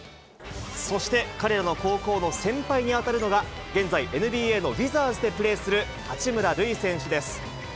そして、彼らの高校の先輩に当たるのが、現在、ＮＢＡのウィザーズでプレーする八村塁選手です。